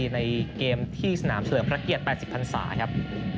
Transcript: ในเกมที่สนามเฉลิมพระเกียรติ๘๐พันศาครับ